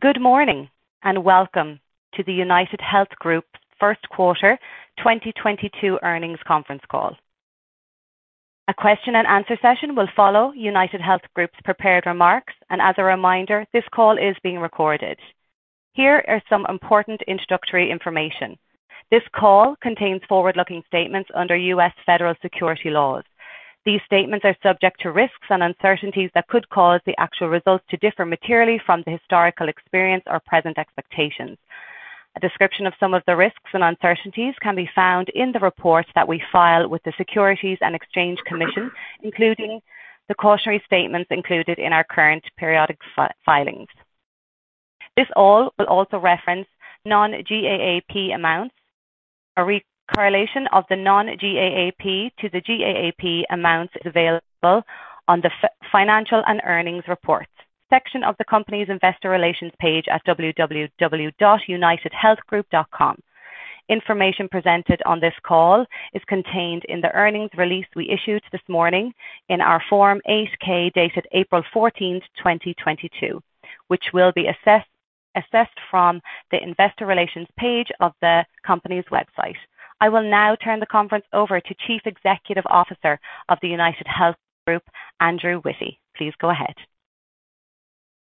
Good morning, and welcome to the UnitedHealth Group first quarter 2022 earnings conference call. A question-and-answer session will follow UnitedHealth Group's prepared remarks, and as a reminder, this call is being recorded. Here are some important introductory information. This call contains forward-looking statements under U.S. Federal securities laws. These statements are subject to risks and uncertainties that could cause the actual results to differ materially from the historical experience or present expectations. A description of some of the risks and uncertainties can be found in the reports that we file with the Securities and Exchange Commission, including the cautionary statements included in our current periodic filings. This call will also reference non-GAAP amounts. A reconciliation of the non-GAAP to the GAAP amounts available on the financial and earnings reports section of the company's investor relations page at www.unitedhealthgroup.com. Information presented on this call is contained in the earnings release we issued this morning in our Form 8-K, dated April 14, 2022. Which will be accessed from the investor relations page of the company's website. I will now turn the conference over to Chief Executive Officer of UnitedHealth Group, Andrew Witty. Please go ahead.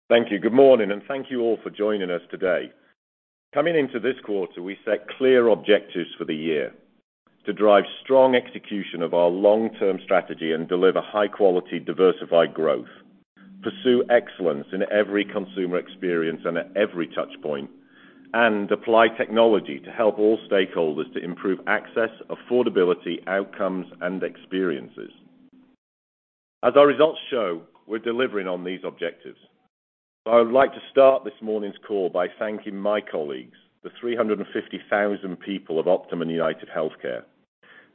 Thank you. Good morning, and thank you all for joining us today. Coming into this quarter, we set clear objectives for the year to drive strong execution of our long-term strategy and deliver high quality, diversified growth, pursue excellence in every consumer experience and at every touch point, and apply technology to help all stakeholders to improve access, affordability, outcomes, and experiences. As our results show, we're delivering on these objectives. I would like to start this morning's call by thanking my colleagues, the 350,000 people of Optum and UnitedHealthcare.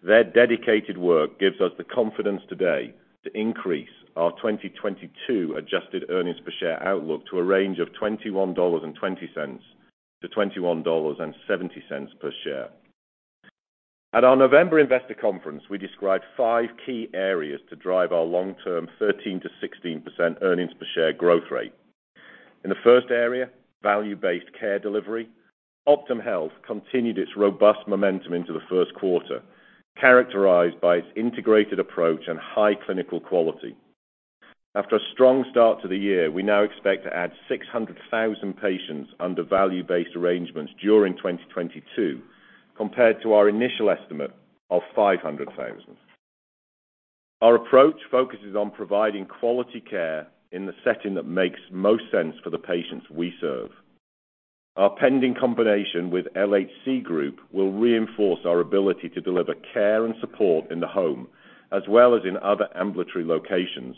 Their dedicated work gives us the confidence today to increase our 2022 adjusted earnings per share outlook to a range of $21.20-$21.70 per share. At our November investor conference, we described five key areas to drive our long-term 13%-16% earnings per share growth rate. In the first area, value-based care delivery, Optum Health continued its robust momentum into the first quarter, characterized by its integrated approach and high clinical quality. After a strong start to the year, we now expect to add 600,000 patients under value-based arrangements during 2022, compared to our initial estimate of 500,000. Our approach focuses on providing quality care in the setting that makes most sense for the patients we serve. Our pending combination with LHC Group will reinforce our ability to deliver care and support in the home, as well as in other ambulatory locations.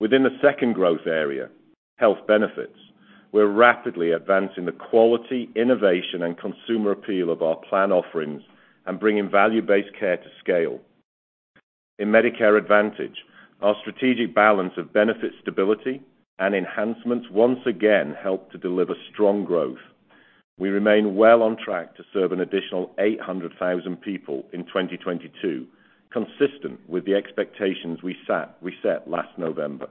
Within the second growth area, health benefits, we're rapidly advancing the quality, innovation, and consumer appeal of our plan offerings and bringing value-based care to scale. In Medicare Advantage, our strategic balance of benefit stability and enhancements once again help to deliver strong growth. We remain well on track to serve an additional 800,000 people in 2022, consistent with the expectations we set last November.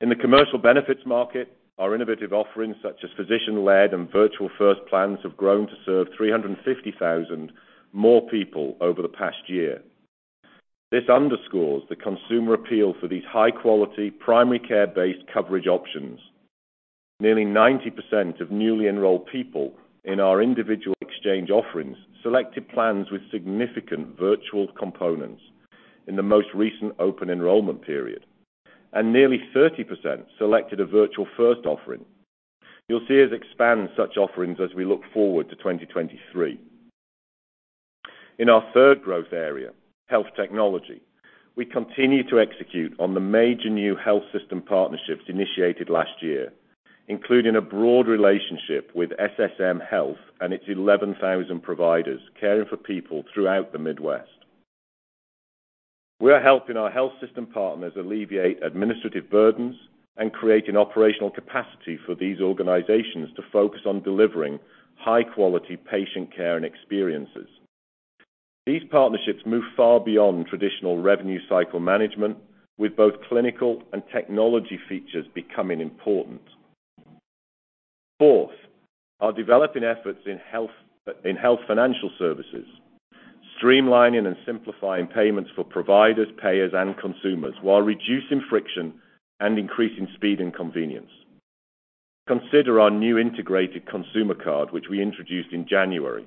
In the commercial benefits market, our innovative offerings, such as physician-led and virtual first plans, have grown to serve 350,000 more people over the past year. This underscores the consumer appeal for these high-quality, primary care-based coverage options. Nearly 90% of newly enrolled people in our individual exchange offerings selected plans with significant virtual components in the most recent open enrollment period, and nearly 30% selected a virtual first offering. You'll see us expand such offerings as we look forward to 2023. In our third growth area, health technology, we continue to execute on the major new health system partnerships initiated last year, including a broad relationship with SSM Health and its 11,000 providers caring for people throughout the Midwest. We are helping our health system partners alleviate administrative burdens and create an operational capacity for these organizations to focus on delivering high-quality patient care and experiences. These partnerships move far beyond traditional revenue cycle management, with both clinical and technology features becoming important. Fourth, our developing efforts in health financial services, streamlining and simplifying payments for providers, payers, and consumers while reducing friction and increasing speed and convenience. Consider our new integrated consumer card, which we introduced in January.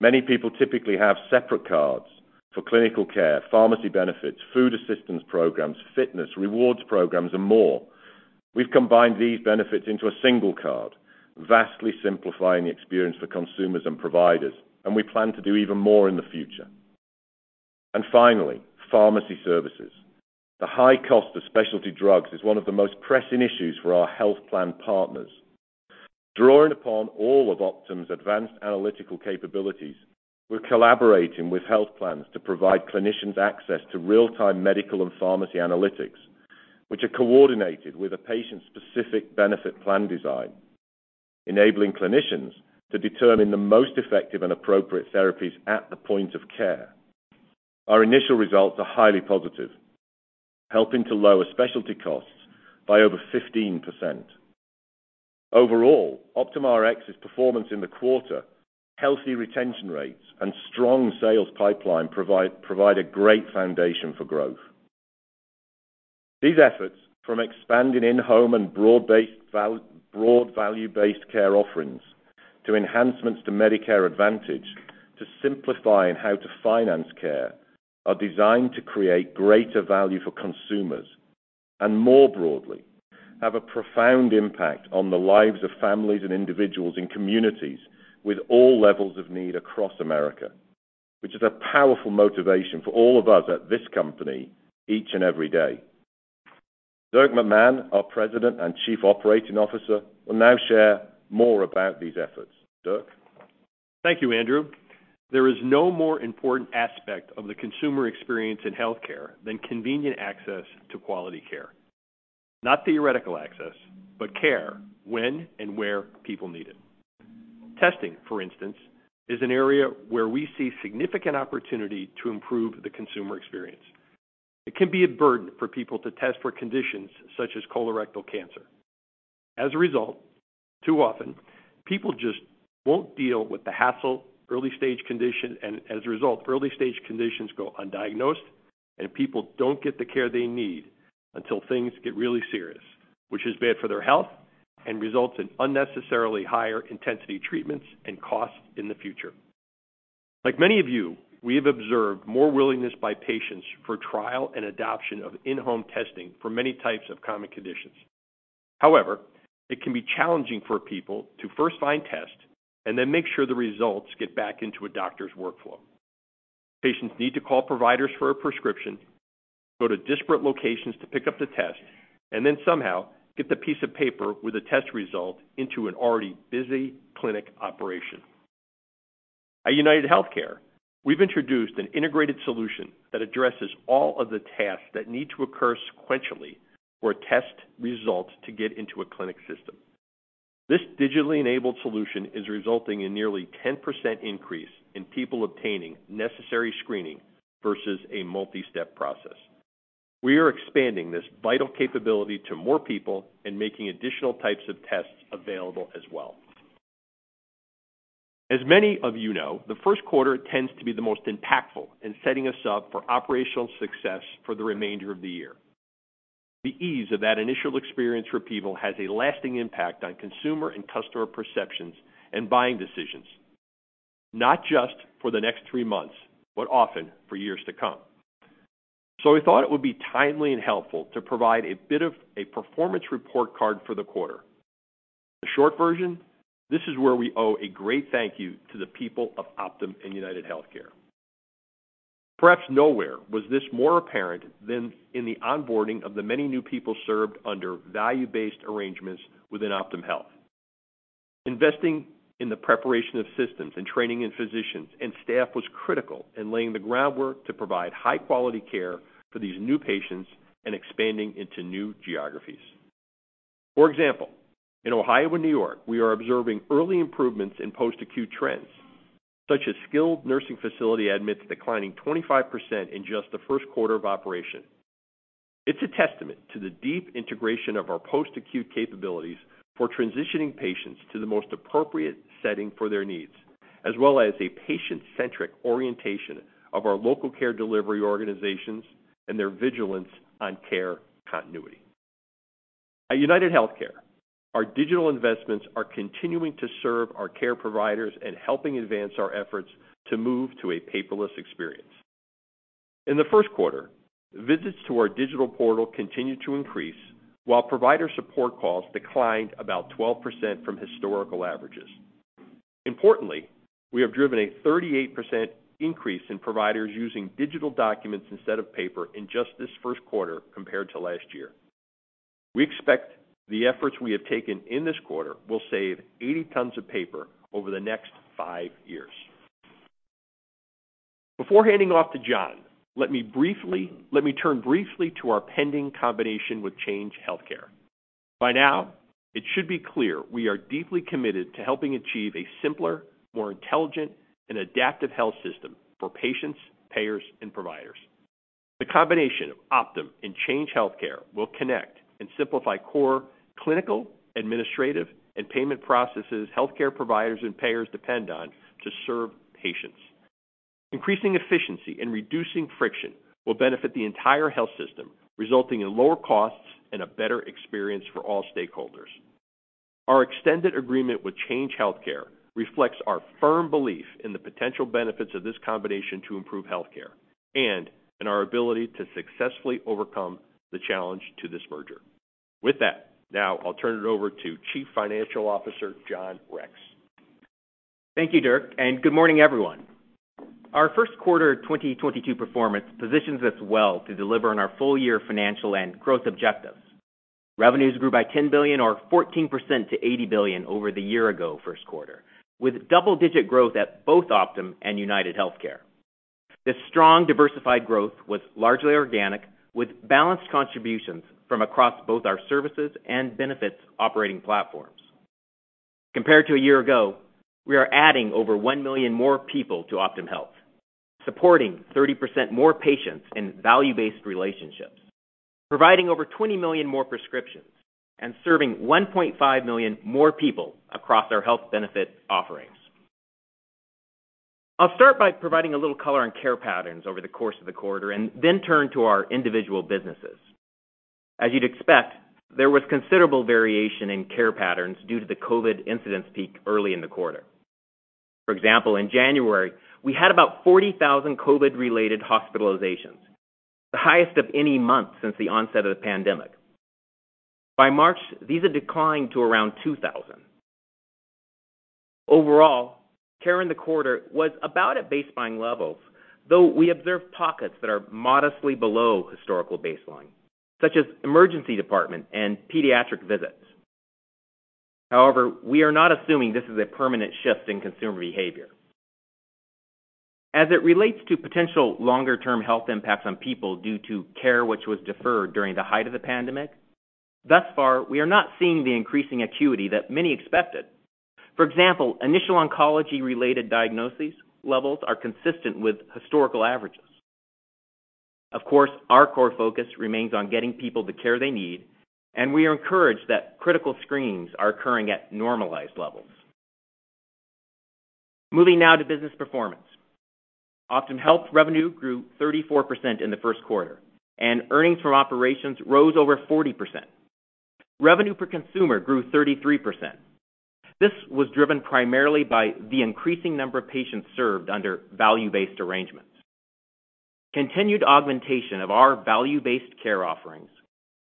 Many people typically have separate cards for clinical care, pharmacy benefits, food assistance programs, fitness rewards programs, and more. We've combined these benefits into a single card, vastly simplifying the experience for consumers and providers, and we plan to do even more in the future. Finally, pharmacy services. The high cost of specialty drugs is one of the most pressing issues for our health plan partners. Drawing upon all of Optum's advanced analytical capabilities, we're collaborating with health plans to provide clinicians access to real-time medical and pharmacy analytics, which are coordinated with a patient-specific benefit plan design, enabling clinicians to determine the most effective and appropriate therapies at the point of care. Our initial results are highly positive, helping to lower specialty costs by over 15%. Overall, OptumRx's performance in the quarter, healthy retention rates, and strong sales pipeline provide a great foundation for growth. These efforts from expanding in-home and broad-based value-based care offerings to enhancements to Medicare Advantage to simplify how to finance care are designed to create greater value for consumers, and more broadly, have a profound impact on the lives of families and individuals in communities with all levels of need across America, which is a powerful motivation for all of us at this company each and every day. Dirk McMahon, our President and Chief Operating Officer, will now share more about these efforts. Dirk? Thank you, Andrew. There is no more important aspect of the consumer experience in healthcare than convenient access to quality care. Not theoretical access, but care when and where people need it. Testing, for instance, is an area where we see significant opportunity to improve the consumer experience. It can be a burden for people to test for conditions such as colorectal cancer. As a result, too often, people just won't deal with the hassle, early stage condition, and as a result, early-stage conditions go undiagnosed, and people don't get the care they need until things get really serious, which is bad for their health and results in unnecessarily higher intensity treatments and costs in the future. Like many of you, we have observed more willingness by patients for trial and adoption of in-home testing for many types of common conditions. However, it can be challenging for people to first find tests and then make sure the results get back into a doctor's workflow. Patients need to call providers for a prescription, go to disparate locations to pick up the test, and then somehow get the piece of paper with a test result into an already busy clinic operation. At UnitedHealthcare, we've introduced an integrated solution that addresses all of the tasks that need to occur sequentially for test results to get into a clinic system. This digitally enabled solution is resulting in nearly 10% increase in people obtaining necessary screening versus a multi-step process. We are expanding this vital capability to more people and making additional types of tests available as well. As many of you know, the first quarter tends to be the most impactful in setting us up for operational success for the remainder of the year. The ease of that initial experience for people has a lasting impact on consumer and customer perceptions and buying decisions, not just for the next three months, but often for years to come. We thought it would be timely and helpful to provide a bit of a performance report card for the quarter. The short version, this is where we owe a great thank you to the people of Optum and UnitedHealthcare. Perhaps nowhere was this more apparent than in the onboarding of the many new people served under value-based arrangements within Optum Health. Investing in the preparation of systems and training in physicians and staff was critical in laying the groundwork to provide high-quality care for these new patients and expanding into new geographies. For example, in Ohio and New York, we are observing early improvements in post-acute trends, such as skilled nursing facility admits declining 25% in just the first quarter of operation. It's a testament to the deep integration of our post-acute capabilities for transitioning patients to the most appropriate setting for their needs, as well as a patient-centric orientation of our local care delivery organizations and their vigilance on care continuity. At UnitedHealthcare, our digital investments are continuing to serve our care providers and helping advance our efforts to move to a paperless experience. In the first quarter, visits to our digital portal continued to increase while provider support calls declined about 12% from historical averages. Importantly, we have driven a 38% increase in providers using digital documents instead of paper in just this first quarter compared to last year. We expect the efforts we have taken in this quarter will save 80 tons of paper over the next five years. Before handing off to John, let me turn briefly to our pending combination with Change Healthcare. By now, it should be clear we are deeply committed to helping achieve a simpler, more intelligent, and adaptive health system for patients, payers, and providers. The combination of Optum and Change Healthcare will connect and simplify core clinical, administrative, and payment processes healthcare providers and payers depend on to serve patients. Increasing efficiency and reducing friction will benefit the entire health system, resulting in lower costs and a better experience for all stakeholders. Our extended agreement with Change Healthcare reflects our firm belief in the potential benefits of this combination to improve healthcare and in our ability to successfully overcome the challenge to this merger. With that, now I'll turn it over to Chief Financial Officer, John Rex. Thank you, Dirk, and good morning, everyone. Our first quarter 2022 performance positions us well to deliver on our full-year financial and growth objectives. Revenues grew by $10 billion or 14% to $80 billion over the year-ago first quarter, with double-digit growth at both Optum and UnitedHealthcare. This strong, diversified growth was largely organic, with balanced contributions from across both our services and benefits operating platforms. Compared to a year ago, we are adding over 1 million more people to Optum Health, supporting 30% more patients in value-based relationships, providing over 20 million more prescriptions, and serving 1.5 million more people across our health benefit offerings. I'll start by providing a little color on care patterns over the course of the quarter and then turn to our individual businesses. As you'd expect, there was considerable variation in care patterns due to the COVID incidence peak early in the quarter. For example, in January, we had about 40,000 COVID-related hospitalizations, the highest of any month since the onset of the pandemic. By March, these had declined to around 2,000. Overall, care in the quarter was about at baseline levels, though we observed pockets that are modestly below historical baseline, such as emergency department and pediatric visits. However, we are not assuming this is a permanent shift in consumer behavior. As it relates to potential longer-term health impacts on people due to care which was deferred during the height of the pandemic, thus far, we are not seeing the increasing acuity that many expected. For example, initial oncology-related diagnoses levels are consistent with historical averages. Of course, our core focus remains on getting people the care they need, and we are encouraged that critical screens are occurring at normalized levels. Moving now to business performance. Optum Health revenue grew 34% in the first quarter, and earnings from operations rose over 40%. Revenue per consumer grew 33%. This was driven primarily by the increasing number of patients served under value-based arrangements. Continued augmentation of our value-based care offerings,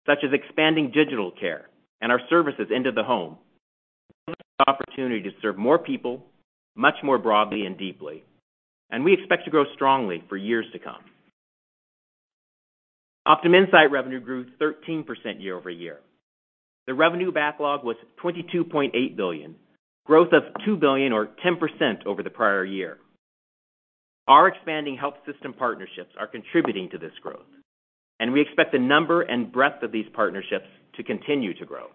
such as expanding digital care and our services into the home, gives us the opportunity to serve more people much more broadly and deeply, and we expect to grow strongly for years to come. Optum Insight revenue grew 13% year-over-year. The revenue backlog was $22.8 billion, growth of $2 billion or 10% over the prior year. Our expanding health system partnerships are contributing to this growth, and we expect the number and breadth of these partnerships to continue to grow.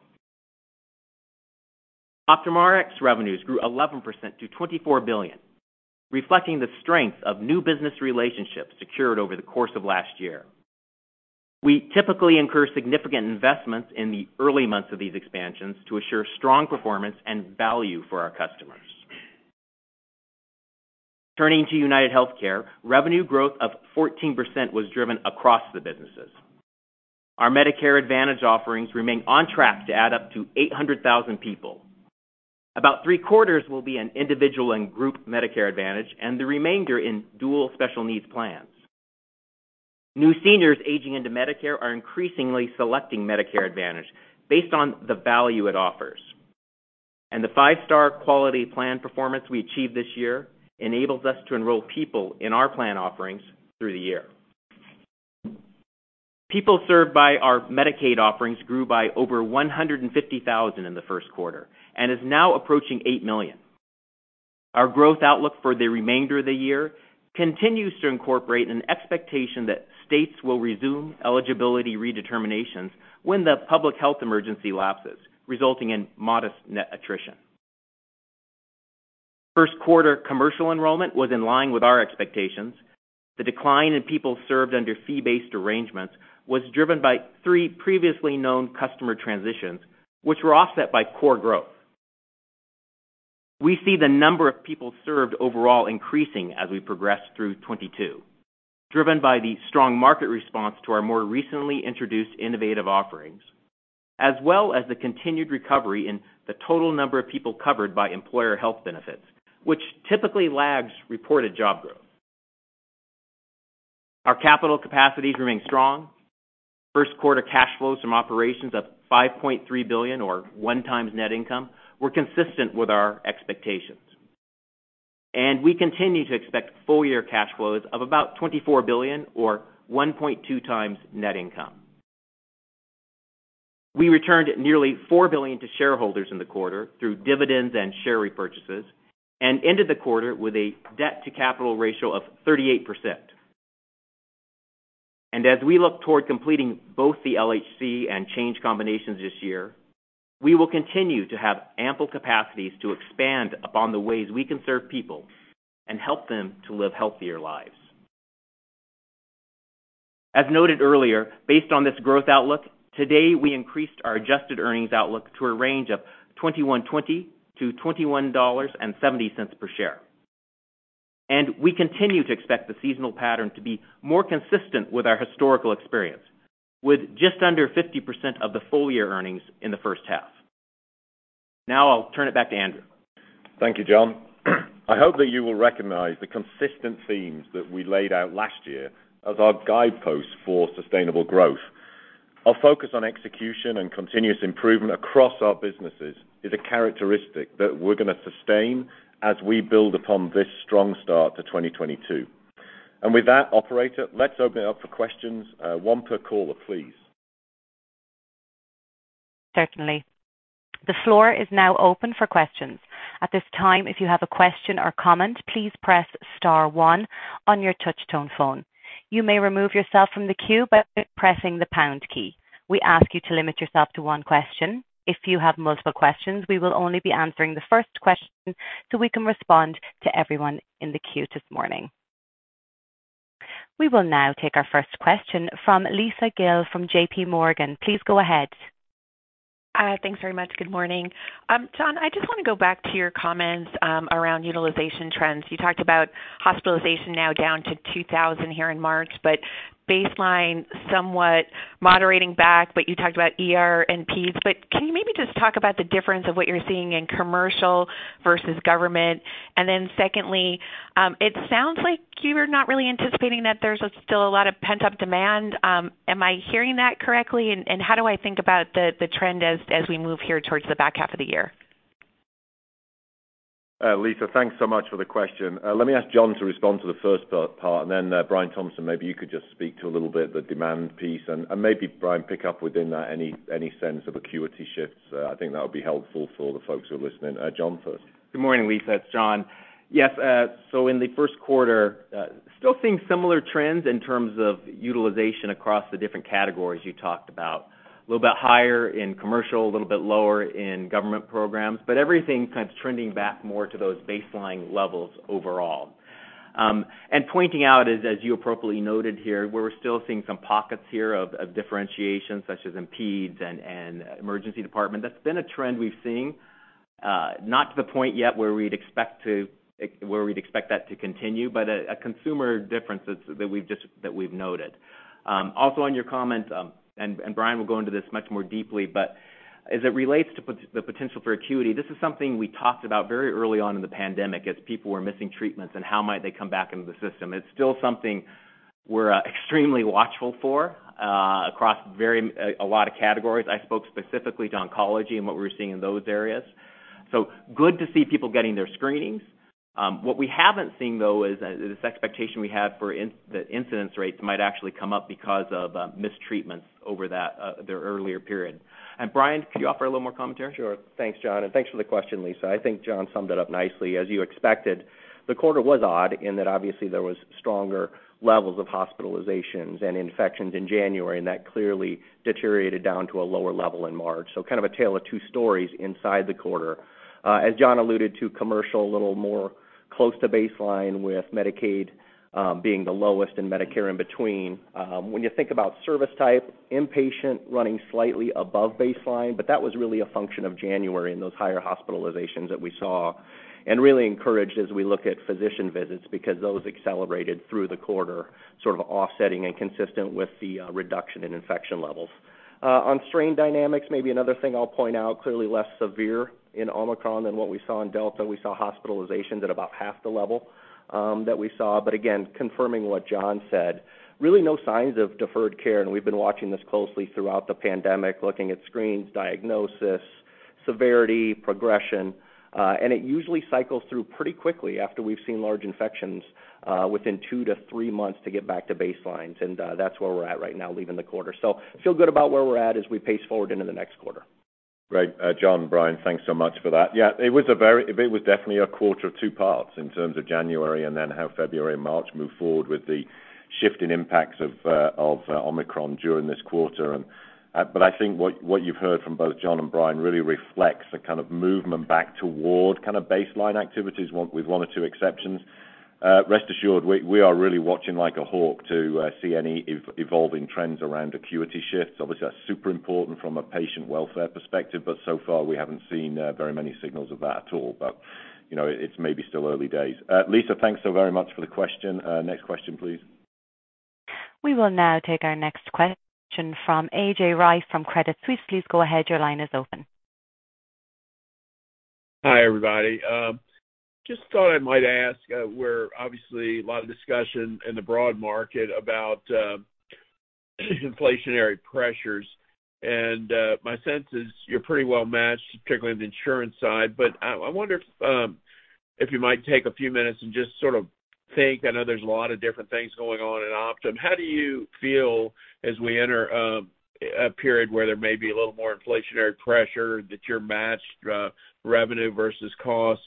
OptumRx revenues grew 11% to $24 billion, reflecting the strength of new business relationships secured over the course of last year. We typically incur significant investments in the early months of these expansions to assure strong performance and value for our customers. Turning to UnitedHealthcare, revenue growth of 14% was driven across the businesses. Our Medicare Advantage offerings remain on track to add up to 800,000 people. About three-quarters will be in individual and group Medicare Advantage, and the remainder in Dual Special Needs Plans. New seniors aging into Medicare are increasingly selecting Medicare Advantage based on the value it offers. The 5-Star quality plan performance we achieved this year enables us to enroll people in our plan offerings through the year. People served by our Medicaid offerings grew by over 150,000 in the first quarter and is now approaching 8 million. Our growth outlook for the remainder of the year continues to incorporate an expectation that states will resume eligibility redeterminations when the public health emergency lapses, resulting in modest net attrition. First quarter commercial enrollment was in line with our expectations. The decline in people served under fee-based arrangements was driven by three previously known customer transitions, which were offset by core growth. We see the number of people served overall increasing as we progress through 2022, driven by the strong market response to our more recently introduced innovative offerings, as well as the continued recovery in the total number of people covered by employer health benefits, which typically lags reported job growth. Our capital capacities remain strong. First quarter cash flows from operations of $5.3 billion or 1x net income were consistent with our expectations. We continue to expect full year cash flows of about $24 billion or 1.2x net income. We returned nearly $4 billion to shareholders in the quarter through dividends and share repurchases and ended the quarter with a debt to capital ratio of 38%. As we look toward completing both the LHC and Change combinations this year, we will continue to have ample capacities to expand upon the ways we can serve people and help them to live healthier lives. As noted earlier, based on this growth outlook, today we increased our adjusted earnings outlook to a range of $21.20-$21.70 per share. We continue to expect the seasonal pattern to be more consistent with our historical experience, with just under 50% of the full year earnings in the first half. Now I'll turn it back to Andrew. Thank you, John. I hope that you will recognize the consistent themes that we laid out last year as our guideposts for sustainable growth. Our focus on execution and continuous improvement across our businesses is a characteristic that we're gonna sustain as we build upon this strong start to 2022. With that, operator, let's open it up for questions, one per caller, please. Certainly. The floor is now open for questions. At this time, if you have a question or comment, please press star one on your touchtone phone. You may remove yourself from the queue by pressing the pound key. We ask you to limit yourself to one question. If you have multiple questions, we will only be answering the first question so we can respond to everyone in the queue this morning. We will now take our first question from Lisa Gill from J.P. Morgan. Please go ahead. Thanks very much. Good morning. John, I just wanna go back to your comments around utilization trends. You talked about hospitalization now down to 2,000 here in March, but baseline somewhat moderating back, but you talked about ER and Peds. Can you maybe just talk about the difference of what you're seeing in commercial versus government? And then secondly, it sounds like you're not really anticipating that there's still a lot of pent-up demand. Am I hearing that correctly? And how do I think about the trend as we move here towards the back half of the year? Lisa, thanks so much for the question. Let me ask John to respond to the first part, and then, Brian Thompson, maybe you could just speak to a little bit the demand piece and maybe Brian pick up within that any sense of acuity shifts. I think that would be helpful for the folks who are listening. John first. Good morning, Lisa. It's John. Yes, in the first quarter, still seeing similar trends in terms of utilization across the different categories you talked about. A little bit higher in commercial, a little bit lower in government programs, but everything's kind of trending back more to those baseline levels overall. Pointing out as you appropriately noted here, where we're still seeing some pockets here of differentiation such as inpatients and emergency department, that's been a trend we've seen, not to the point yet where we'd expect that to continue, but a continued difference that we've noted. Also on your comment, and Brian will go into this much more deeply, but as it relates to the potential for acuity, this is something we talked about very early on in the pandemic as people were missing treatments and how might they come back into the system. It's still something we're extremely watchful for across a lot of categories. I spoke specifically to oncology and what we were seeing in those areas. Good to see people getting their screenings. What we haven't seen, though, is this expectation we have for the incidence rates might actually come up because of mistreatments over that their earlier period. Brian, could you offer a little more commentary? Sure. Thanks, John, and thanks for the question, Lisa. I think John summed it up nicely. As you expected, the quarter was odd in that obviously there was stronger levels of hospitalizations and infections in January, and that clearly deteriorated down to a lower level in March. Kind of a tale of two stories inside the quarter. As John alluded to, commercial a little more close to baseline, with Medicaid being the lowest and Medicare in between. When you think about service type, inpatient running slightly above baseline, but that was really a function of January and those higher hospitalizations that we saw, and really encouraged as we look at physician visits because those accelerated through the quarter, sort of offsetting and consistent with the reduction in infection levels. On strain dynamics, maybe another thing I'll point out, clearly less severe in Omicron than what we saw in Delta. We saw hospitalizations at about half the level that we saw. Again, confirming what John said, really no signs of deferred care, and we've been watching this closely throughout the pandemic, looking at screenings, diagnosis, severity, progression, and it usually cycles through pretty quickly after we've seen large infections, within 2-3 months to get back to baselines. That's where we're at right now, leaving the quarter. Feel good about where we're at as we pace forward into the next quarter. Great. John, Brian, thanks so much for that. Yeah, it was definitely a quarter of two parts in terms of January and then how February and March moved forward with the shift in impacts of Omicron during this quarter. I think what you've heard from both John and Brian really reflects the kind of movement back toward kind of baseline activities with one or two exceptions. Rest assured we are really watching like a hawk to see any evolving trends around acuity shifts. Obviously, that's super important from a patient welfare perspective, but so far we haven't seen very many signals of that at all. You know, it's maybe still early days. Lisa, thanks so very much for the question. Next question, please. We will now take our next question from A.J. Rice from Credit Suisse. Please go ahead. Your line is open. Hi, everybody. Just thought I might ask, where obviously a lot of discussion in the broad market about, inflationary pressures. My sense is you're pretty well matched, particularly on the insurance side. I wonder if you might take a few minutes and just sort of think. I know there's a lot of different things going on in Optum. How do you feel as we enter, a period where there may be a little more inflationary pressure that you're matched, revenue versus cost?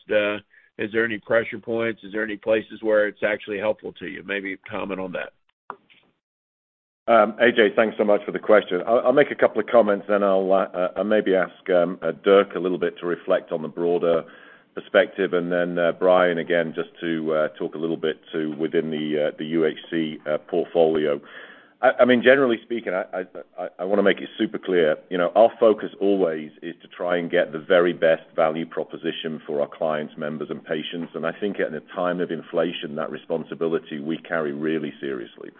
Is there any pressure points? Is there any places where it's actually helpful to you? Maybe comment on that. AJ, thanks so much for the question. I'll make a couple of comments then I'll maybe ask Dirk a little bit to reflect on the broader perspective, and then Brian, again, just to talk a little bit to within the UHC portfolio. I mean, generally speaking, I wanna make it super clear. You know, our focus always is to try and get the very best value proposition for our clients, members, and patients. I think at a time of inflation, that responsibility we carry really seriously.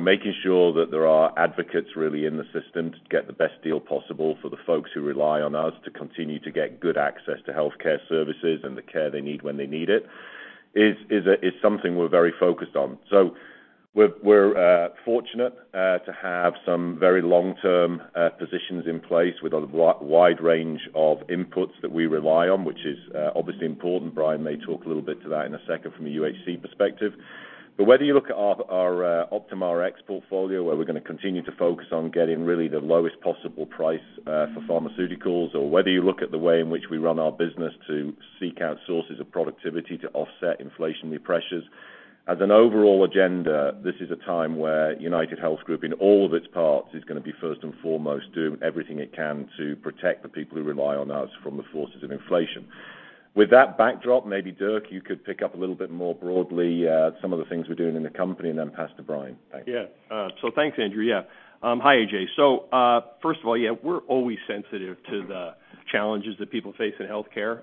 Making sure that there are advocates really in the system to get the best deal possible for the folks who rely on us to continue to get good access to healthcare services and the care they need when they need it is something we're very focused on. We're fortunate to have some very long-term positions in place with a wide range of inputs that we rely on, which is obviously important. Brian may talk a little bit to that in a second from a UHC perspective. Whether you look at our OptumRx portfolio, where we're gonna continue to focus on getting really the lowest possible price for pharmaceuticals, or whether you look at the way in which we run our business to seek out sources of productivity to offset inflationary pressures. As an overall agenda, this is a time where UnitedHealth Group in all of its parts, is gonna be first and foremost doing everything it can to protect the people who rely on us from the forces of inflation. With that backdrop, maybe Dirk, you could pick up a little bit more broadly, some of the things we're doing in the company and then pass to Brian. Thanks. Thanks, Andrew. Hi, A.J. First of all, we're always sensitive to the challenges that people face in healthcare,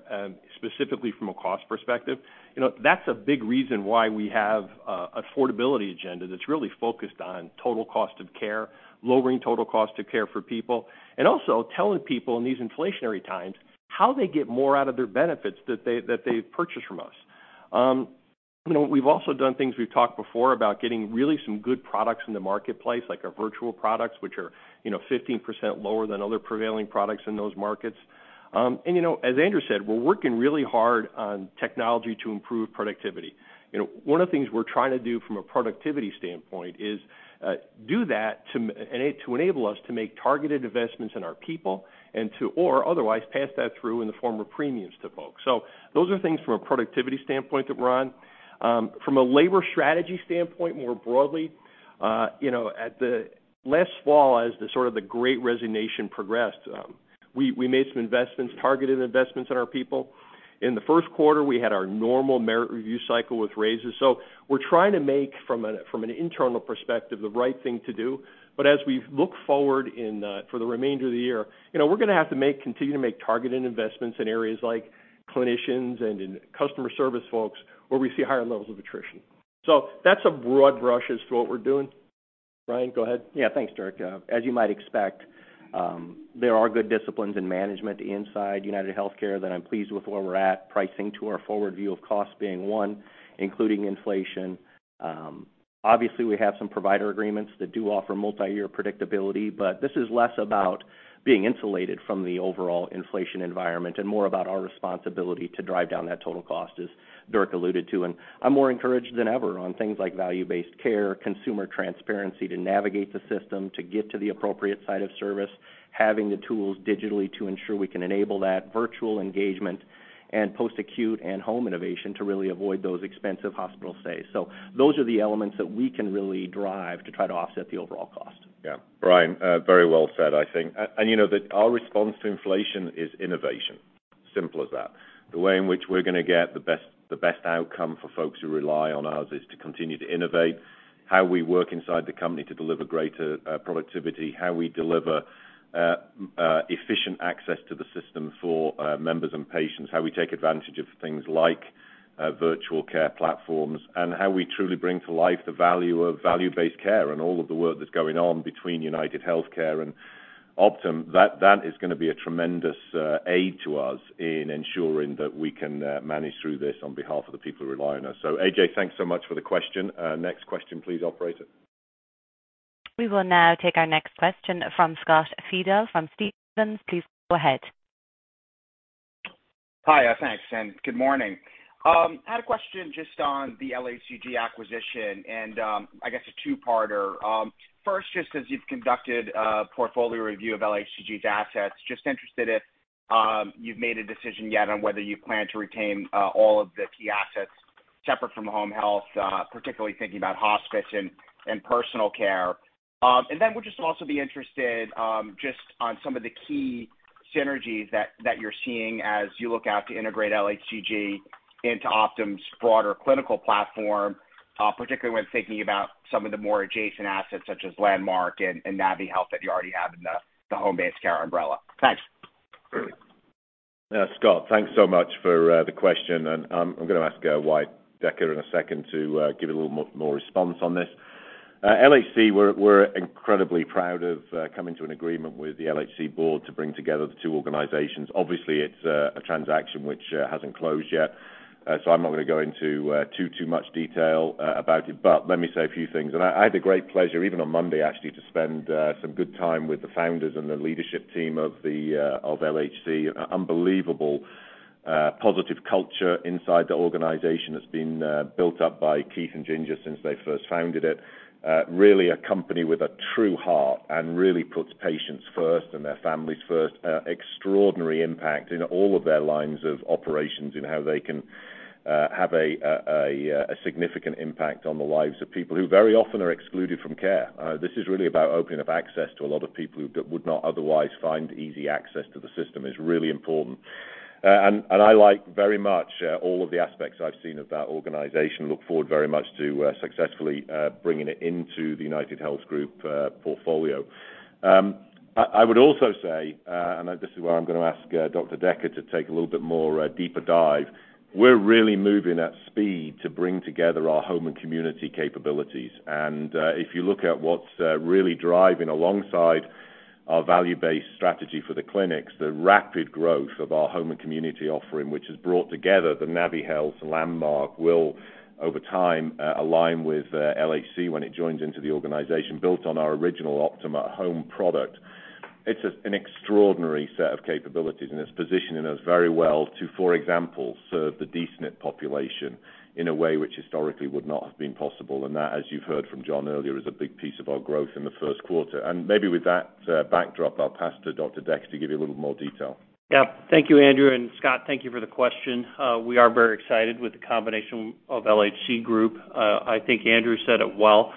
specifically from a cost perspective. You know, that's a big reason why we have a affordability agenda that's really focused on total cost of care, lowering total cost of care for people, and also telling people in these inflationary times how they get more out of their benefits that they purchase from us. You know, we've also done things we've talked before about getting really some good products in the marketplace, like our virtual products, which are, you know, 15% lower than other prevailing products in those markets. You know, as Andrew said, we're working really hard on technology to improve productivity. You know, one of the things we're trying to do from a productivity standpoint is do that to enable us to make targeted investments in our people and to or otherwise pass that through in the form of premiums to folks. Those are things from a productivity standpoint that we're on. From a labor strategy standpoint, more broadly, you know, last fall as the sort of the great resignation progressed, we made some investments, targeted investments in our people. In the first quarter, we had our normal merit review cycle with raises. We're trying to make from an internal perspective, the right thing to do. As we look forward in for the remainder of the year, you know, we're gonna have to continue to make targeted investments in areas like clinicians and in customer service folks where we see higher levels of attrition. That's a broad brush as to what we're doing. Brian, go ahead. Yeah, thanks, Dirk. As you might expect, there are good disciplines in management inside UnitedHealthcare that I'm pleased with where we're at, pricing to our forward view of cost being one, including inflation. Obviously, we have some provider agreements that do offer multi-year predictability, but this is less about being insulated from the overall inflation environment and more about our responsibility to drive down that total cost, as Dirk alluded to. I'm more encouraged than ever on things like value-based care, consumer transparency to navigate the system, to get to the appropriate site of service, having the tools digitally to ensure we can enable that virtual engagement and post-acute and home innovation to really avoid those expensive hospital stays. Those are the elements that we can really drive to try to offset the overall cost. Yeah. Brian, very well said, I think. You know that our response to inflation is innovation. Simple as that. The way in which we're gonna get the best outcome for folks who rely on us is to continue to innovate how we work inside the company to deliver greater productivity, how we deliver efficient access to the system for members and patients, how we take advantage of things like virtual care platforms, and how we truly bring to life the value of value-based care and all of the work that's going on between UnitedHealthcare and Optum. That is gonna be a tremendous aid to us in ensuring that we can manage through this on behalf of the people who rely on us. AJ, thanks so much for the question. Next question please, operator. We will now take our next question from Scott Fidel from Stephens. Please go ahead. Hi, thanks, and good morning. Had a question just on the LHCG acquisition and, I guess a two-parter. First, just 'cause you've conducted a portfolio review of LHCG's assets, just interested if you've made a decision yet on whether you plan to retain all of the key assets separate from home health, particularly thinking about hospice and personal care. Would just also be interested just on some of the key synergies that you're seeing as you look out to integrate LHCG into Optum's broader clinical platform, particularly when thinking about some of the more adjacent assets such as Landmark and naviHealth that you already have in the home-based care umbrella. Thanks. Yeah. Scott, thanks so much for the question, and I'm gonna ask Wyatt Decker in a second to give a little more response on this. LHC, we're incredibly proud of coming to an agreement with the LHC board to bring together the two organizations. Obviously, it's a transaction which hasn't closed yet, so I'm not gonna go into too much detail about it, but let me say a few things. I had the great pleasure, even on Monday, actually, to spend some good time with the founders and the leadership team of LHC. Unbelievable positive culture inside the organization that's been built up by Keith and Ginger since they first founded it. Really a company with a true heart and really puts patients first and their families first. Extraordinary impact in all of their lines of operations in how they can have a significant impact on the lives of people who very often are excluded from care. This is really about opening up access to a lot of people who that would not otherwise find easy access to the system. It's really important. I like very much all of the aspects I've seen of that organization. Look forward very much to successfully bringing it into the UnitedHealth Group portfolio. I would also say, this is where I'm gonna ask Dr. Decker to take a little bit more deeper dive, we're really moving at speed to bring together our home and community capabilities. If you look at what's really driving alongside our value-based strategy for the clinics, the rapid growth of our home and community offering, which has brought together the NaviHealth, Landmark, will over time align with LHC when it joins into the organization, built on our original Optum home product. It's just an extraordinary set of capabilities, and it's positioning us very well to, for example, serve the D-SNP population in a way which historically would not have been possible. That, as you've heard from John earlier, is a big piece of our growth in the first quarter. Maybe with that backdrop, I'll pass to Dr. Decker to give you a little more detail. Yeah. Thank you, Andrew. Scott, thank you for the question. We are very excited with the combination of LHC Group. I think Andrew said it well,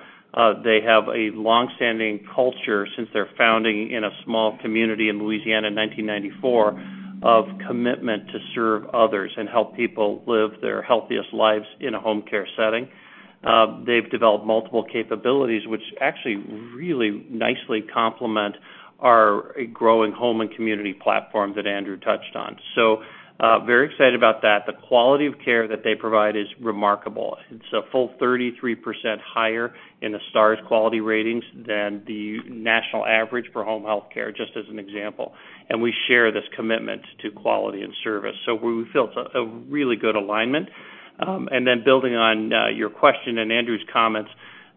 they have a long-standing culture since their founding in a small community in Louisiana in 1994 of commitment to serve others and help people live their healthiest lives in a home care setting. They've developed multiple capabilities which actually really nicely complement our growing home and community platform that Andrew touched on. Very excited about that. The quality of care that they provide is remarkable. It's a full 33% higher in the Stars quality ratings than the national average for home health care, just as an example. We share this commitment to quality and service. We felt a really good alignment. Building on your question and Andrew's comments,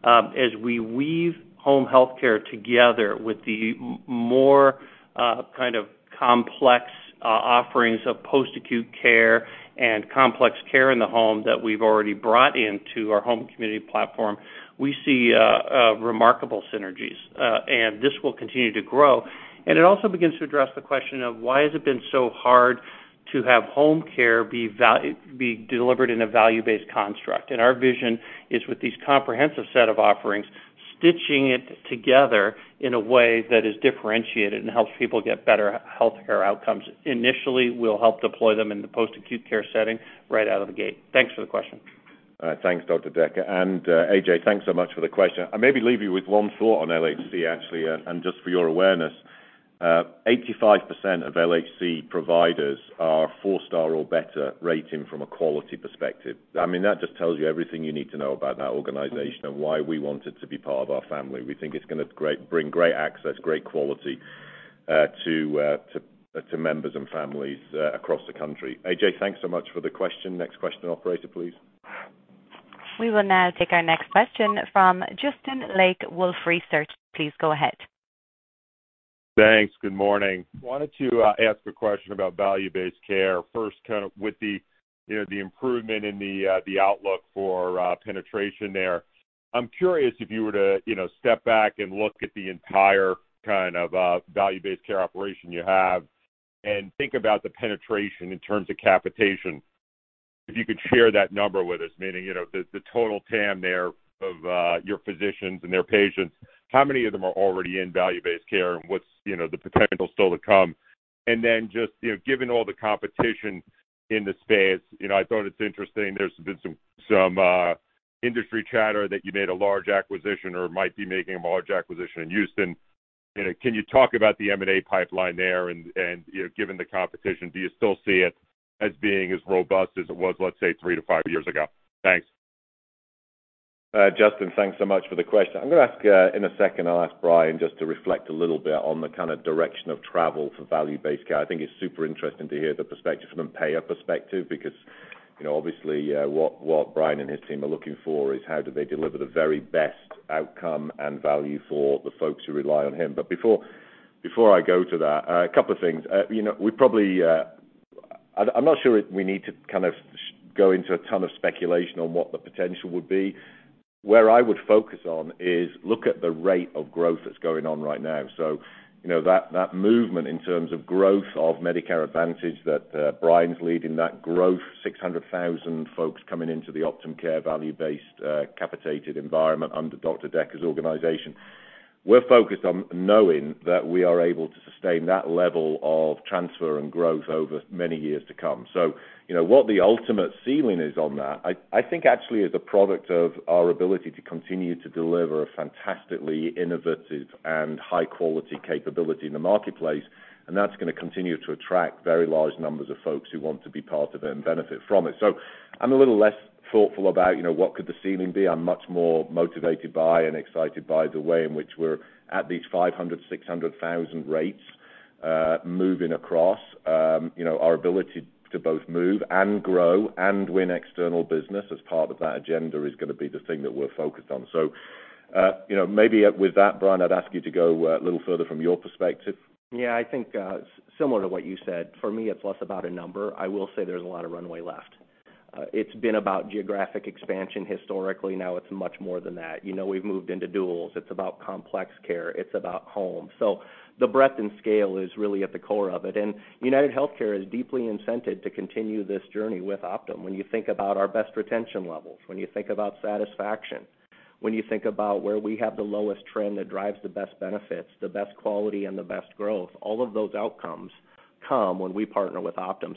as we weave home health care together with the more kind of complex offerings of post-acute care and complex care in the home that we've already brought into our home community platform, we see remarkable synergies, and this will continue to grow. It also begins to address the question of why has it been so hard to have home care be delivered in a value-based construct. Our vision is with these comprehensive set of offerings, stitching it together in a way that is differentiated and helps people get better healthcare outcomes. Initially, we'll help deploy them in the post-acute care setting right out of the gate. Thanks for the question. Thanks, Dr. Decker. AJ, thanks so much for the question. I'll maybe leave you with one thought on LHC, actually. Just for your awareness, 85% of LHC providers are four-star or better rating from a quality perspective. I mean, that just tells you everything you need to know about that organization and why we want it to be part of our family. We think it's gonna bring great access, great quality, to members and families, across the country. AJ, thanks so much for the question. Next question, operator, please. We will now take our next question from Justin Lake, Wolfe Research. Please go ahead. Thanks. Good morning. I wanted to ask a question about value-based care. First, kind of with the, you know, the improvement in the outlook for, penetration there. I'm curious if you were to, you know, step back and look at the entire kind of, value-based care operation you have and think about the penetration in terms of capitation, if you could share that number with us. Meaning, you know, the total TAM there of, your physicians and their patients, how many of them are already in value-based care, and what's, you know, the potential still to come? Just, you know, given all the competition in the space, you know, I thought it's interesting, there's been some industry chatter that you made a large acquisition or might be making a large acquisition in Houston. You know, can you talk about the M&A pipeline there? You know, given the competition, do you still see it as being as robust as it was, let's say, three to five years ago? Thanks. Justin, thanks so much for the question. I'm gonna ask, in a second, I'll ask Brian just to reflect a little bit on the kind of direction of travel for value-based care. I think it's super interesting to hear the perspective from a payer perspective, because, you know, obviously, what Brian and his team are looking for is how do they deliver the very best outcome and value for the folks who rely on him. Before I go to that, a couple of things. You know, we probably, I'm not sure we need to kind of go into a ton of speculation on what the potential would be. Where I would focus on is look at the rate of growth that's going on right now. You know, that movement in terms of growth of Medicare Advantage that Brian's leading, 600,000 folks coming into the Optum Care value-based capitated environment under Dr. Decker's organization. We're focused on knowing that we are able to sustain that level of transfer and growth over many years to come. You know, what the ultimate ceiling is on that, I think actually is a product of our ability to continue to deliver a fantastically innovative and high-quality capability in the marketplace, and that's gonna continue to attract very large numbers of folks who want to be part of it and benefit from it. I'm a little less thoughtful about, you know, what could the ceiling be. I'm much more motivated by and excited by the way in which we're at these 500,000-600,000 rates moving across. You know, our ability to both move and grow and win external business as part of that agenda is gonna be the thing that we're focused on. You know, maybe with that, Brian, I'd ask you to go a little further from your perspective. Yeah, I think, similar to what you said, for me, it's less about a number. I will say there's a lot of runway left. It's been about geographic expansion historically. Now it's much more than that. You know, we've moved into duals. It's about complex care. It's about home. So the breadth and scale is really at the core of it. UnitedHealthcare is deeply incented to continue this journey with Optum. When you think about our best retention levels, when you think about satisfaction, when you think about where we have the lowest trend that drives the best benefits, the best quality, and the best growth, all of those outcomes come when we partner with Optum.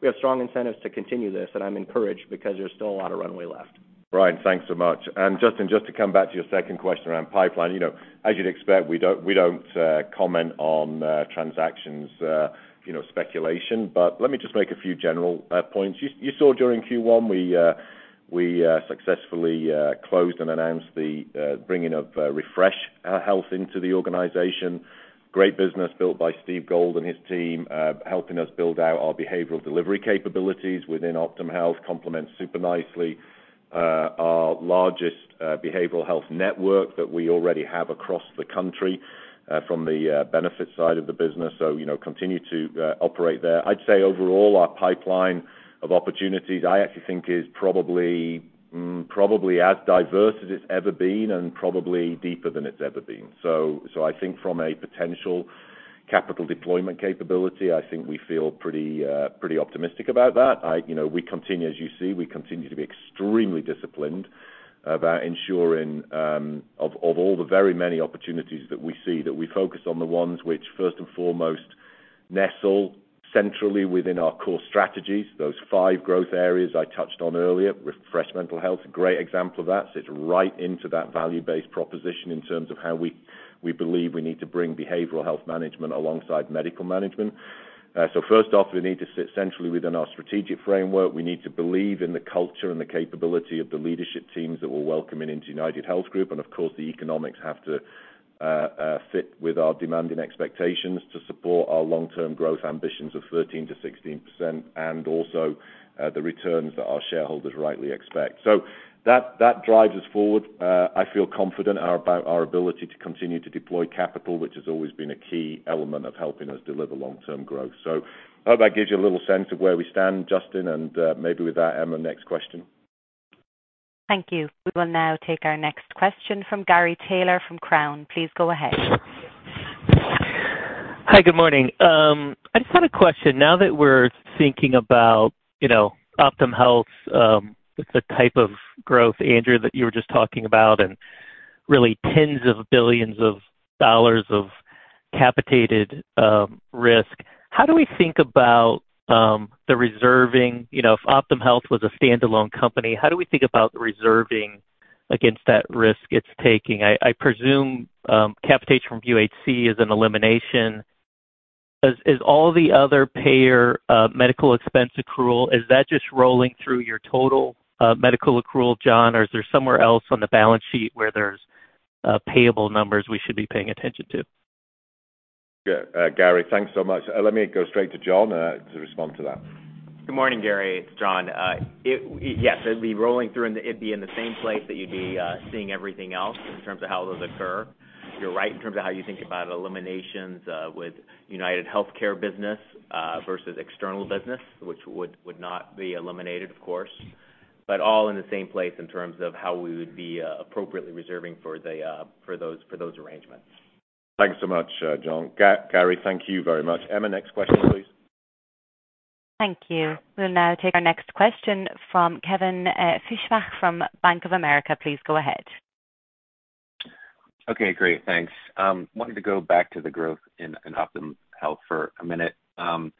We have strong incentives to continue this, and I'm encouraged because there's still a lot of runway left. Brian, thanks so much. Justin, just to come back to your second question around pipeline. You know, as you'd expect, we don't comment on transactions, you know, speculation. Let me just make a few general points. You saw during Q1, we successfully closed and announced the bringing of Refresh Health into the organization. Great business built by Steve Gold and his team, helping us build out our behavioral delivery capabilities within Optum Health, complements super nicely our largest behavioral health network that we already have across the country from the benefit side of the business. You know, continue to operate there. I'd say overall, our pipeline of opportunities, I actually think is probably probably as diverse as it's ever been and probably deeper than it's ever been. I think from a potential capital deployment capability, I think we feel pretty optimistic about that. We continue, as you see, to be extremely disciplined about ensuring of all the very many opportunities that we see, that we focus on the ones which first and foremost nestle centrally within our core strategies, those five growth areas I touched on earlier. Refresh Mental Health, a great example of that, sits right into that value-based proposition in terms of how we believe we need to bring behavioral health management alongside medical management. First off, we need to sit centrally within our strategic framework. We need to believe in the culture and the capability of the leadership teams that we're welcoming into UnitedHealth Group. Of course, the economics have to fit with our demanding expectations to support our long-term growth ambitions of 13%-16% and also the returns that our shareholders rightly expect. That drives us forward. I feel confident about our ability to continue to deploy capital, which has always been a key element of helping us deliver long-term growth. I hope that gives you a little sense of where we stand, Justin. Maybe with that, Emma, next question. Thank you. We will now take our next question from Gary Taylor from Cowen. Please go ahead. Hi, good morning. I just had a question. Now that we're thinking about, you know, Optum Health, the type of growth, Andrew, that you were just talking about, and really tens of billions of dollars of capitated risk, how do we think about the reserving? You know, if Optum Health was a standalone company, how do we think about reserving against that risk it's taking? I presume capitation from UHC is an elimination. Is all the other payer medical expense accrual just rolling through your total medical accrual, John, or is there somewhere else on the balance sheet where there's payable numbers we should be paying attention to? Yeah, Gary, thanks so much. Let me go straight to John to respond to that. Good morning, Gary, it's John. Yes, it'd be rolling through in the same place that you'd be seeing everything else in terms of how those occur. You're right in terms of how you think about eliminations with UnitedHealthcare business versus external business, which would not be eliminated, of course. All in the same place in terms of how we would be appropriately reserving for those arrangements. Thanks so much, John. Gary, thank you very much. Emma, next question, please. Thank you. We'll now take our next question from Kevin Fischbeck from Bank of America. Please go ahead. Okay, great. Thanks. Wanted to go back to the growth in Optum Health for a minute. Can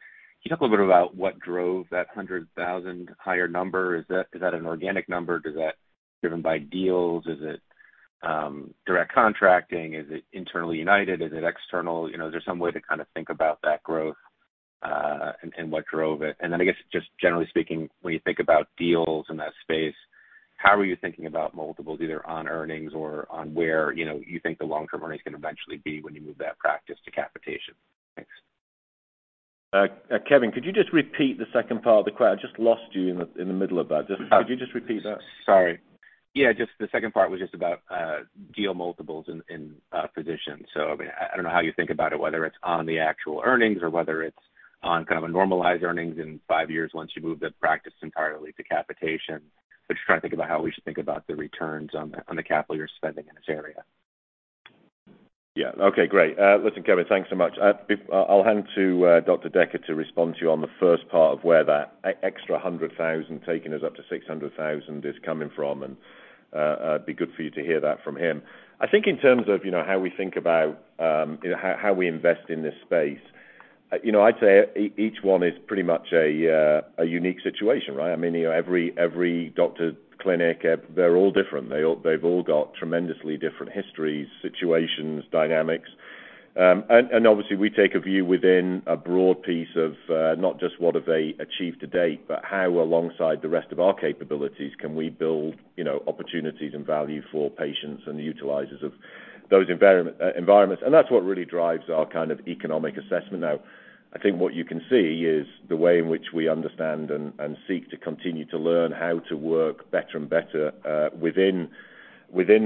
you talk a little bit about what drove that 100,000 higher number? Is that an organic number? Is that driven by deals? Is it direct contracting? Is it internally United? Is it external? You know, is there some way to kind of think about that growth, and what drove it? Then I guess just generally speaking, when you think about deals in that space, how are you thinking about multiples, either on earnings or on where, you know, you think the long-term earnings can eventually be when you move that practice to capitation? Thanks. Kevin, could you just repeat the second part? I just lost you in the middle of that. Just- Oh. Could you just repeat that? Sorry. Yeah, just the second part was just about deal multiples in physician. I mean, I don't know how you think about it, whether it's on the actual earnings or whether it's on kind of a normalized earnings in five years once you move the practice entirely to capitation. I'm just trying to think about how we should think about the returns on the capital you're spending in this area. Yeah. Okay, great. Listen, Kevin, thanks so much. I'll hand to Dr. Decker to respond to you on the first part of where that extra 100,000, taking us up to 600,000, is coming from, and it'd be good for you to hear that from him. I think in terms of, you know, how we think about how we invest in this space, you know, I'd say each one is pretty much a unique situation, right? I mean, you know, every doctor clinic, they're all different. They've all got tremendously different histories, situations, dynamics. Obviously, we take a view within a broad piece of not just what have they achieved to date, but how alongside the rest of our capabilities can we build, you know, opportunities and value for patients and utilizers of those environments. That's what really drives our kind of economic assessment. Now, I think what you can see is the way in which we understand and seek to continue to learn how to work better and better within the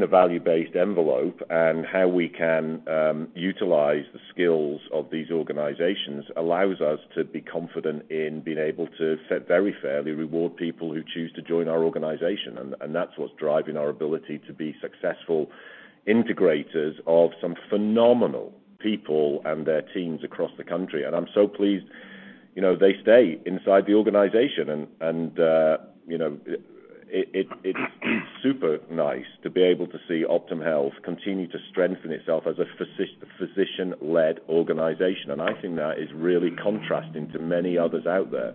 value-based envelope and how we can utilize the skills of these organizations, allows us to be confident in being able to set very fairly reward people who choose to join our organization. That's what's driving our ability to be successful integrators of some phenomenal people and their teams across the country. I'm so pleased, you know, they stay inside the organization and you know, it's super nice to be able to see Optum Health continue to strengthen itself as a physician-led organization. I think that is really contrasting to many others out there.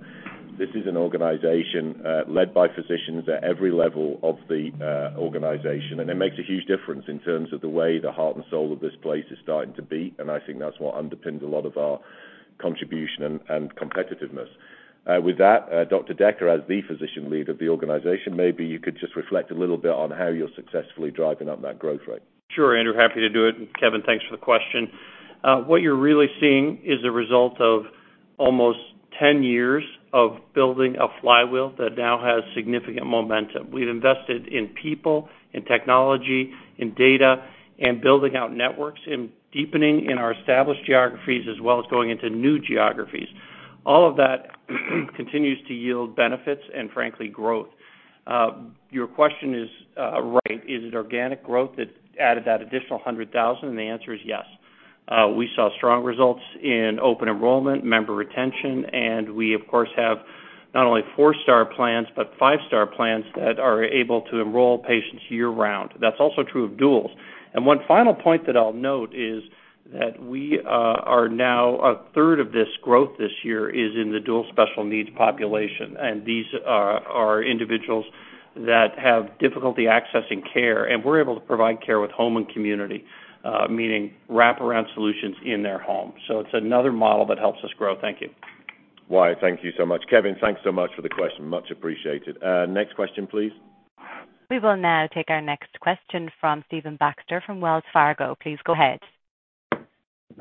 This is an organization led by physicians at every level of the organization, and it makes a huge difference in terms of the way the heart and soul of this place is starting to beat. I think that's what underpins a lot of our contribution and competitiveness. With that, Dr. Decker, as the physician lead of the organization, maybe you could just reflect a little bit on how you're successfully driving up that growth rate. Sure, Andrew, happy to do it. Kevin, thanks for the question. What you're really seeing is the result of Almost ten years of building a flywheel that now has significant momentum. We've invested in people, in technology, in data, and building out networks and deepening in our established geographies as well as going into new geographies. All of that continues to yield benefits and frankly, growth. Your question is right. Is it organic growth that added that additional 100,000? The answer is yes. We saw strong results in open enrollment, member retention, and we of course have not only four-star plans, but five-star plans that are able to enroll patients year-round. That's also true of Duals. One final point that I'll note is that we are now a third of this growth this year is in the Dual Special Needs population. These are individuals that have difficulty accessing care, and we're able to provide care with home and community, meaning wraparound solutions in their home. It's another model that helps us grow. Thank you. Wyatt, thank you so much. Kevin, thanks so much for the question. Much appreciated. Next question, please. We will now take our next question from Stephen Baxter from Wells Fargo. Please go ahead.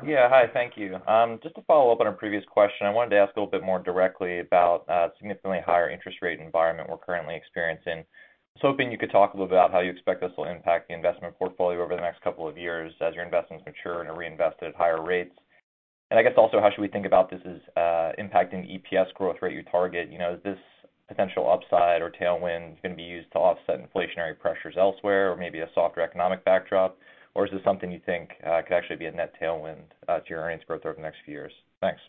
Yeah. Hi, thank you. Just to follow up on a previous question, I wanted to ask a little bit more directly about significantly higher interest rate environment we're currently experiencing. I was hoping you could talk a little bit about how you expect this will impact the investment portfolio over the next couple of years as your investments mature and are reinvested at higher rates. I guess also, how should we think about this as impacting the EPS growth rate you target? You know, is this potential upside or tailwind gonna be used to offset inflationary pressures elsewhere or maybe a softer economic backdrop? Or is this something you think could actually be a net tailwind to your earnings growth over the next few years? Thanks.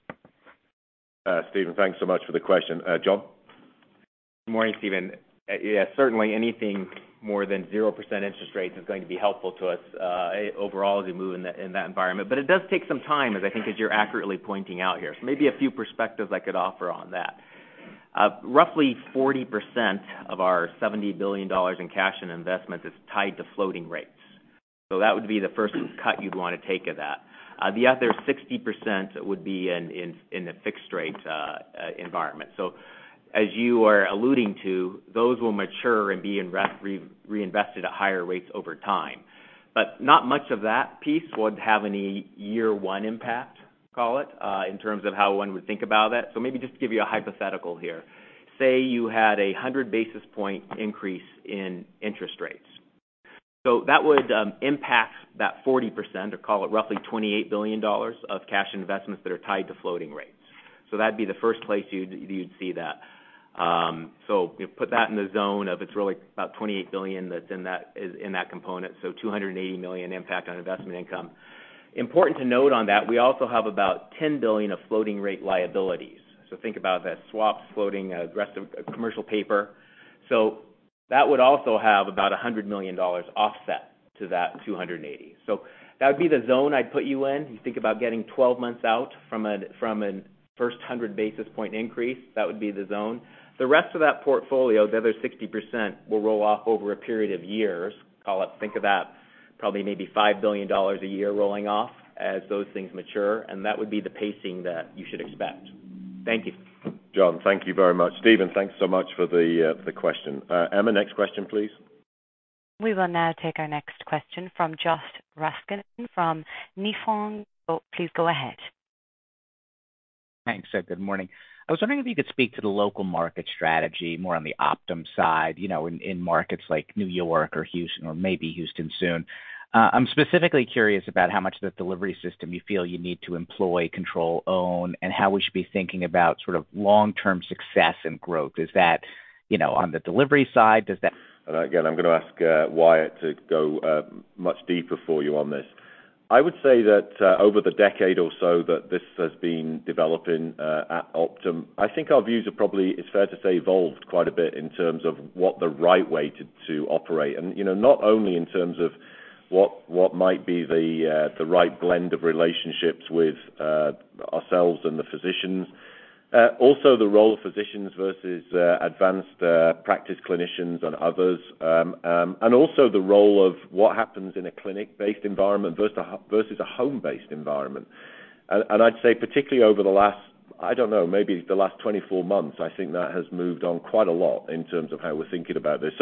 Stephen, thanks so much for the question. John? Good morning, Stephen. Yeah, certainly anything more than 0% interest rate is going to be helpful to us overall as we move in that environment. It does take some time, as I think as you're accurately pointing out here. Maybe a few perspectives I could offer on that. Roughly 40% of our $70 billion in cash and investments is tied to floating rates. That would be the first cut you'd wanna take of that. The other 60% would be in the fixed rates environment. As you are alluding to, those will mature and be reinvested at higher rates over time. Not much of that piece would have any year one impact, call it, in terms of how one would think about it. Maybe just to give you a hypothetical here. Say you had a 100 basis point increase in interest rates. That would impact that 40%, or call it roughly $28 billion of cash investments that are tied to floating rates. That'd be the first place you'd see that. Put that in the zone of it's really about $28 billion that's in that component, so $280 million impact on investment income. Important to note on that, we also have about $10 billion of floating rate liabilities. Think about that swap floating rest of commercial paper. That would also have about $100 million offset to that $280. That would be the zone I'd put you in. You think about getting 12 months out from a first 100-basis-point increase, that would be the zone. The rest of that portfolio, the other 60%, will roll off over a period of years. Call it, think of that probably maybe $5 billion a year rolling off as those things mature, and that would be the pacing that you should expect. Thank you. John, thank you very much. Stephen, thanks so much for the question. Emma, next question, please. We will now take our next question from Joshua Raskin from Nephron Research. Please go ahead. Thanks. Good morning. I was wondering if you could speak to the local market strategy more on the Optum side, you know, in markets like New York or Houston or maybe Houston soon. I'm specifically curious about how much of the delivery system you feel you need to employ, control, own, and how we should be thinking about sort of long-term success and growth. Is that, you know, on the delivery side? Does that- Again, I'm gonna ask Wyatt to go much deeper for you on this. I would say that over the decade or so that this has been developing at Optum, I think our views are probably, it's fair to say, evolved quite a bit in terms of what the right way to operate. You know, not only in terms of what might be the right blend of relationships with ourselves and the physicians. Also the role of physicians versus advanced practice clinicians and others. And also the role of what happens in a clinic-based environment versus a home-based environment. I'd say particularly over the last, I don't know, maybe the last 24 months, I think that has moved on quite a lot in terms of how we're thinking about this.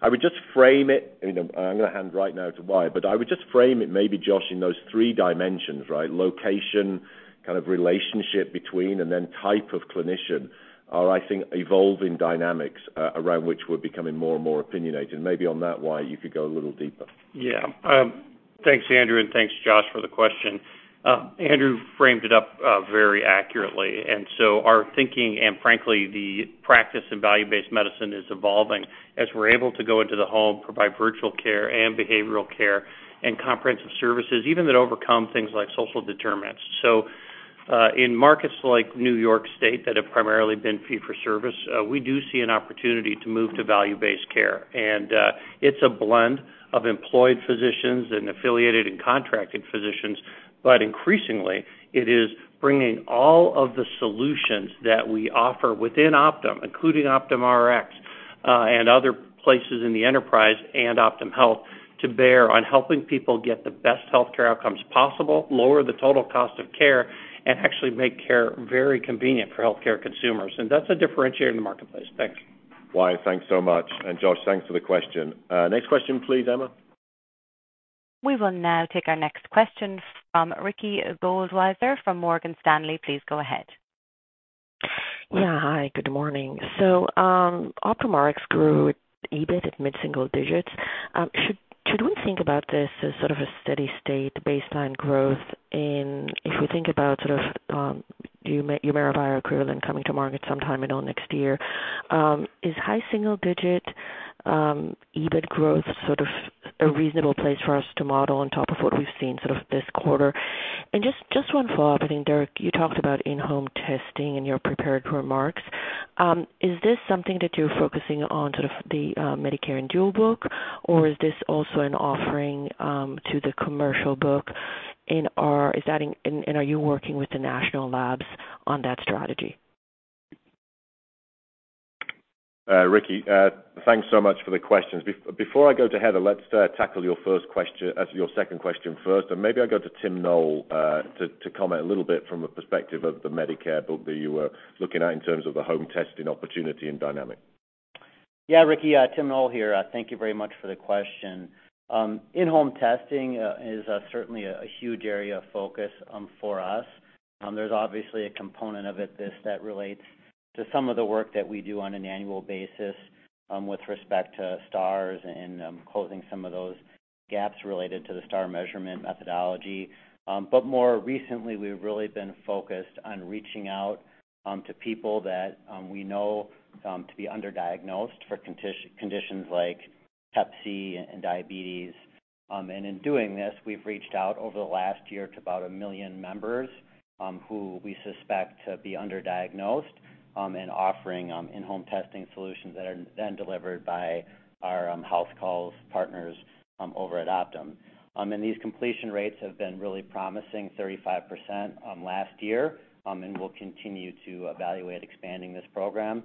I would just frame it, you know, I'm gonna hand right now to Wyatt, but I would just frame it maybe Josh, in those three dimensions, right? Location, kind of relationship between, and then type of clinician are, I think, evolving dynamics around which we're becoming more and more opinionated. Maybe on that, Wyatt, you could go a little deeper. Yeah. Thanks, Andrew, and thanks Josh for the question. Andrew framed it up very accurately, and so our thinking and frankly, the practice in value-based medicine is evolving as we're able to go into the home, provide virtual care and behavioral care and comprehensive services, even to overcome things like social determinants. In markets like New York State that have primarily been fee-for-service, we do see an opportunity to move to value-based care. It's a blend of employed physicians and affiliated and contracted physicians. Increasingly, it is bringing all of the solutions that we offer within Optum, including OptumRx, and other places in the enterprise and Optum Health, to bear on helping people get the best healthcare outcomes possible, lower the total cost of care, and actually make care very convenient for healthcare consumers. That's a differentiator in the marketplace. Thanks. Wyatt, thanks so much. Josh, thanks for the question. Next question please, Emma. We will now take our next question from Ricky Goldwasser from Morgan Stanley. Please go ahead. Yeah. Hi, good morning. OptumRx grew EBIT mid-single digits. Should we think about this as sort of a steady state baseline growth if we think about sort of Humira equivalent coming to market sometime in next year, is high single-digit EBIT growth, sort of a reasonable place for us to model on top of what we've seen sort of this quarter? Just one follow-up. I think, Dirk, you talked about in-home testing in your prepared remarks. Is this something that you're focusing on, sort of the Medicare and dual book, or is this also an offering to the commercial book? And are you working with the national labs on that strategy? Ricky, thanks so much for the questions. Before I go to Heather, let's tackle your second question first, and maybe I'll go to Tim Noel to comment a little bit from the perspective of the Medicare book that you were looking at in terms of the home testing opportunity and dynamic. Yeah, Ricky, Tim Noel here. Thank you very much for the question. In-home testing is certainly a huge area of focus for us. There's obviously a component of it that relates to some of the work that we do on an annual basis with respect to Stars and closing some of those gaps related to the Stars measurement methodology. But more recently, we've really been focused on reaching out to people that we know to be underdiagnosed for conditions like hep C and diabetes. In doing this, we've reached out over the last year to about 1 million members who we suspect to be underdiagnosed and offering in-home testing solutions that are then delivered by our HouseCalls partners over at Optum. These completion rates have been really promising, 35%, last year, and we'll continue to evaluate expanding this program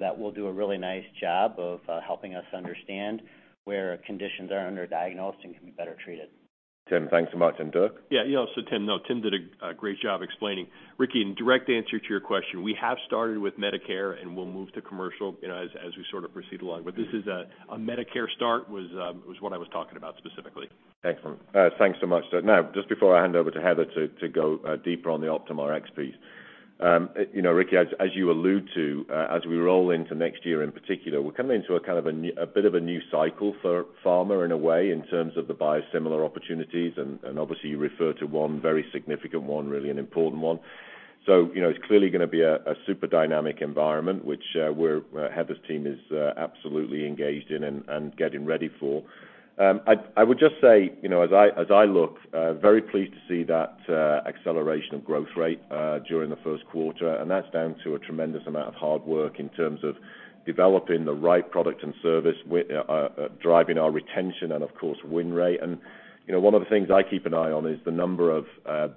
that will do a really nice job of helping us understand where conditions are underdiagnosed and can be better treated. Tim, thanks so much. And Dirk? Yeah. Tim, no, Tim did a great job explaining. Ricky, in direct answer to your question, we have started with Medicare, and we'll move to commercial, you know, as we sort of proceed along. This is a Medicare start was what I was talking about specifically. Excellent. Thanks so much. Now, just before I hand over to Heather to go deeper on the OptumRx piece. You know, Ricky, as you allude to, as we roll into next year, in particular, we're coming into a bit of a new cycle for pharma in a way, in terms of the biosimilar opportunities, and obviously you refer to one very significant one, really an important one. You know, it's clearly gonna be a super dynamic environment, which Heather's team is absolutely engaged in and getting ready for. I would just say, you know, as I look very pleased to see that acceleration of growth rate during the first quarter, and that's down to a tremendous amount of hard work in terms of developing the right product and service driving our retention and of course, win rate. You know, one of the things I keep an eye on is the number of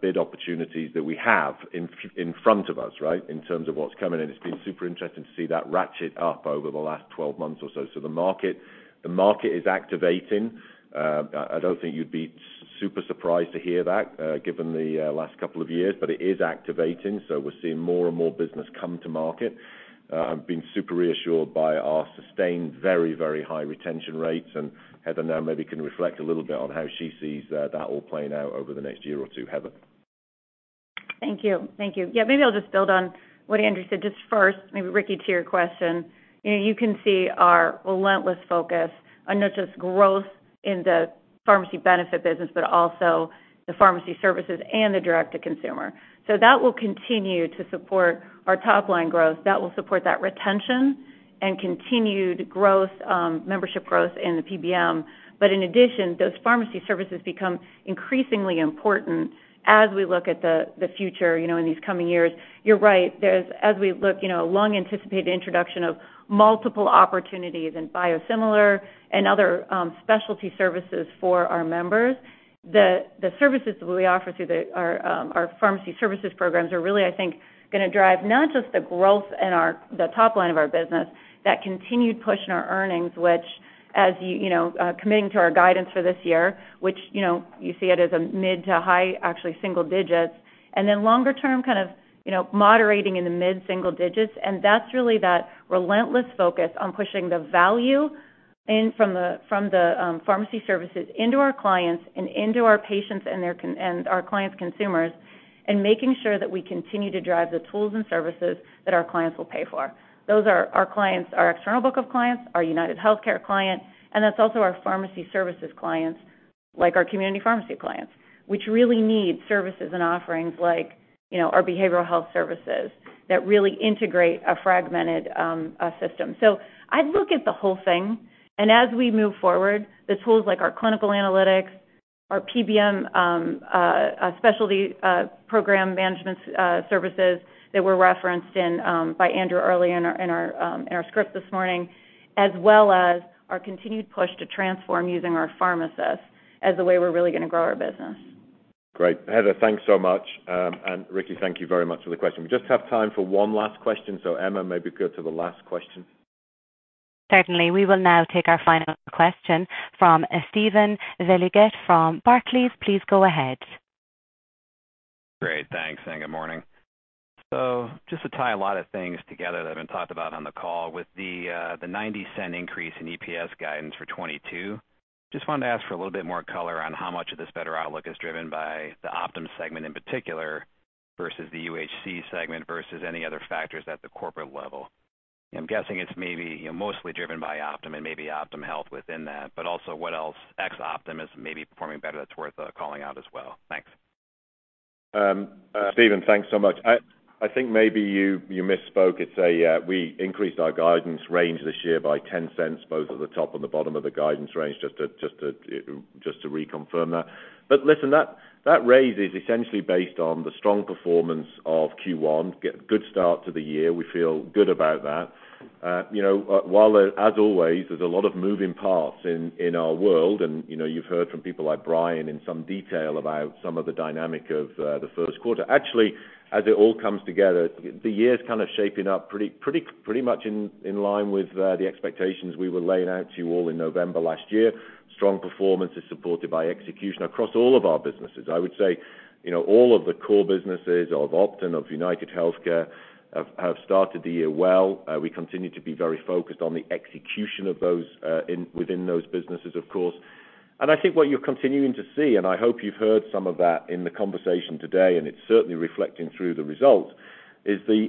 bid opportunities that we have in front of us, right? In terms of what's coming in. It's been super interesting to see that ratchet up over the last 12 months or so. The market is activating. I don't think you'd be super surprised to hear that, given the last couple of years, but it is activating, so we're seeing more and more business come to market. I've been super reassured by our sustained very high retention rates. Heather now maybe can reflect a little bit on how she sees that all playing out over the next year or two. Heather. Thank you. Thank you. Yeah, maybe I'll just build on what Andrew said. Just first, maybe, Ricky, to your question. You know, you can see our relentless focus on not just growth in the pharmacy benefit business, but also the pharmacy services and the direct to consumer. So that will continue to support our top line growth. That will support that retention and continued growth, membership growth in the PBM. But in addition, those pharmacy services become increasingly important as we look at the future, you know, in these coming years. You're right. There's As we look, you know, long anticipated the introduction of multiple opportunities and biosimilars and other specialty services for our members, the services that we offer through our pharmacy services programs are really, I think, gonna drive not just the growth in the top line of our business, that continued push in our earnings, which as you know, committing to our guidance for this year, which, you know, you see it as a mid- to high-single digits. Then longer term, kind of, you know, moderating in the mid single digits. That's really that relentless focus on pushing the value in from the pharmacy services into our clients and into our patients and their consumers and our clients' consumers, and making sure that we continue to drive the tools and services that our clients will pay for. Those are our clients, our external book of clients, our UnitedHealthcare client, and that's also our pharmacy services clients, like our community pharmacy clients, which really need services and offerings like, you know, our behavioral health services that really integrate a fragmented system. I'd look at the whole thing, and as we move forward, the tools like our clinical analytics, our PBM, specialty program management services that were referenced by Andrew early in our script this morning, as well as our continued push to transform using our pharmacists as the way we're really gonna grow our business. Great. Heather, thanks so much. Ricky, thank you very much for the question. We just have time for one last question, so Emma maybe go to the last question. Certainly. We will now take our final question from Steven Valiquette from Barclays. Please go ahead. Great. Thanks, and good morning. Just to tie a lot of things together that have been talked about on the call, with the $0.90 increase in EPS guidance for 2022, just wanted to ask for a little bit more color on how much of this better outlook is driven by the Optum segment in particular, versus the UHC segment, versus any other factors at the corporate level. I'm guessing it's maybe, you know, mostly driven by Optum and maybe Optum Health within that, but also what else ex Optum is maybe performing better that's worth calling out as well. Thanks. Steven, thanks so much. I think maybe you misspoke. We increased our guidance range this year by $0.10, both at the top and the bottom of the guidance range, just to reconfirm that. Listen, that raise is essentially based on the strong performance of Q1. Good start to the year. We feel good about that. You know, while as always, there's a lot of moving parts in our world, and you know, you've heard from people like Brian in some detail about some of the dynamics of the first quarter. Actually, as it all comes together, the year's kind of shaping up pretty much in line with the expectations we were laying out to you all in November last year. Strong performance is supported by execution across all of our businesses. I would say, you know, all of the core businesses of Optum, of UnitedHealthcare have started the year well. We continue to be very focused on the execution of those within those businesses, of course. I think what you're continuing to see, and I hope you've heard some of that in the conversation today, and it's certainly reflecting through the results, is the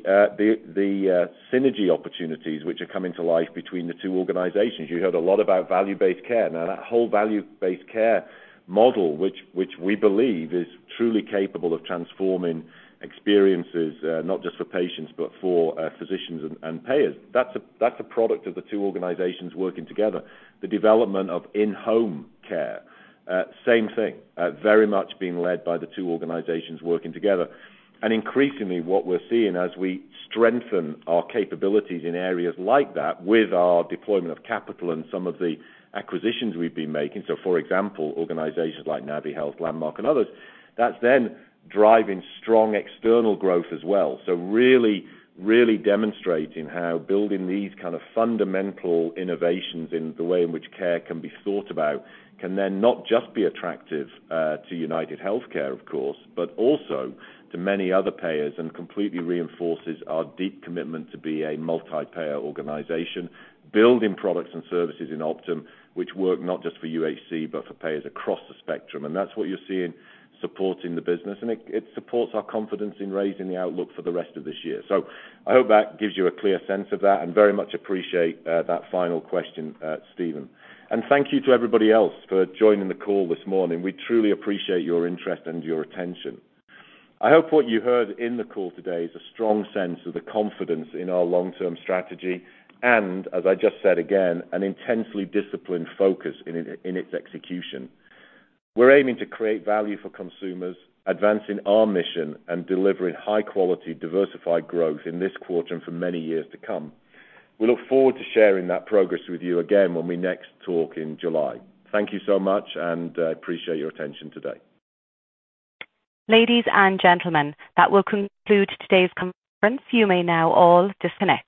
synergy opportunities which are coming to life between the two organizations. You heard a lot about value-based care. Now, that whole value-based care model, which we believe is truly capable of transforming experiences, not just for patients, but for physicians and payers, that's a product of the two organizations working together. The development of in-home care, same thing. Very much being led by the two organizations working together. Increasingly what we're seeing as we strengthen our capabilities in areas like that with our deployment of capital and some of the acquisitions we've been making, so for example, organizations like NaviHealth, Landmark Health, and others, that's then driving strong external growth as well. Really demonstrating how building these kind of fundamental innovations in the way in which care can be thought about can then not just be attractive to UnitedHealthcare, of course, but also to many other payers, and completely reinforces our deep commitment to be a multi-payer organization, building products and services in Optum, which work not just for UHC, but for payers across the spectrum. That's what you're seeing supporting the business, and it supports our confidence in raising the outlook for the rest of this year. I hope that gives you a clear sense of that and very much appreciate that final question, Steven. Thank you to everybody else for joining the call this morning. We truly appreciate your interest and your attention. I hope what you heard in the call today is a strong sense of the confidence in our long-term strategy, and as I just said again, an intensely disciplined focus in its execution. We're aiming to create value for consumers, advancing our mission and delivering high quality, diversified growth in this quarter and for many years to come. We look forward to sharing that progress with you again when we next talk in July. Thank you so much, and appreciate your attention today. Ladies and gentlemen, that will conclude today's conference. You may now all disconnect.